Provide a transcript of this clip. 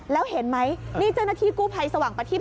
แล้วเห็นไหมนี่เจ้าหน้าที่กู้ภัยสว่างประทีป